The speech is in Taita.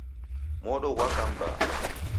Modo ghwaka m'baa.